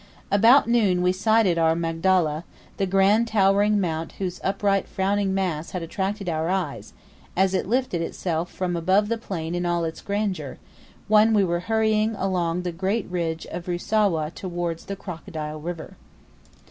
About noon we sighted our Magdala the grand towering mount whose upright frowning mass had attracted our eyes, as it lifted itself from above the plain in all its grandeur, when we were hurrying along the great ridge of Rusawa towards the "Crocodile" River.